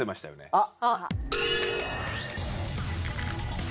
あっ！